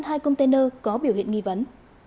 hai container có biểu hiện nghi vấn